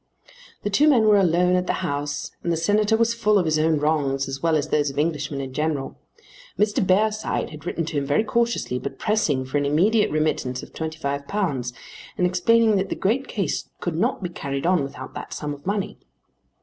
The two men were alone at the house and the Senator was full of his own wrongs as well as those of Englishmen in general. Mr. Bearside had written to him very cautiously, but pressing for an immediate remittance of £25, and explaining that the great case could not be carried on without that sum of money.